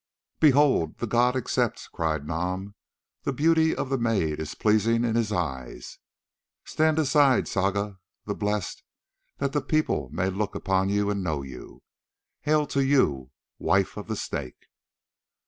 "Behold, the god accepts," cried Nam, "the beauty of the maid is pleasing in his eyes. Stand aside, Saga, the blessed, that the people may look upon you and know you. Hail to you, wife of the Snake!"